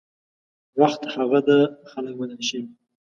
وخت هغه ده خلک بدل شوي